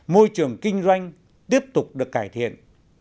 môi trường kinh doanh tiếp tục được cải thiện